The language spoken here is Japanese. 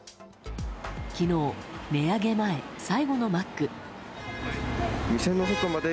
昨日、値上げ前最後のマック。